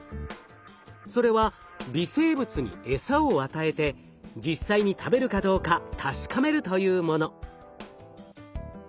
それは微生物にエサを与えて実際に食べるかどうか確かめるというもの。